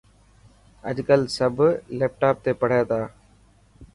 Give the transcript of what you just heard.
اڄ ڪل سب ليپٽاپ تي پڙهي تا.